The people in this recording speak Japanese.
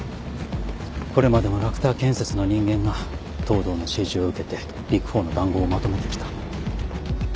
これまでもラクター建設の人間が藤堂の指示を受けてビッグ４の談合をまとめてきた